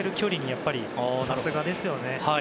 やっぱり、さすがですよね。